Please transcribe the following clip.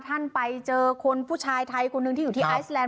ท่านไปเจอคนผู้ชายไทยคนหนึ่งที่อยู่ที่ไอซแลน